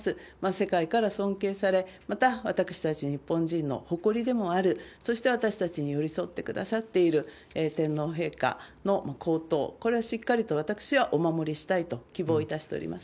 世界から尊敬され、また私たち日本人の誇りでもある、そして私たちに寄り添ってくださっている天皇陛下の皇統、これはしっかりと私はお守りしたいと希望いたしております。